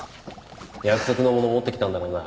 約束のもの持ってきたんだろうな？